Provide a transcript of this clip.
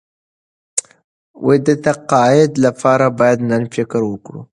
د تقاعد لپاره باید نن فکر وکړو.